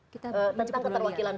kita mencuba penulisan ya